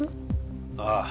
ああ。